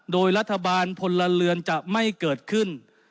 โดยรัฐบาลพลเรือนจะไม่เกิดขึ้น